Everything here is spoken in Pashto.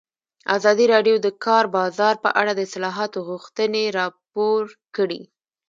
ازادي راډیو د د کار بازار په اړه د اصلاحاتو غوښتنې راپور کړې.